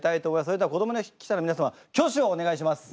それでは子ども記者の皆様挙手をお願いします。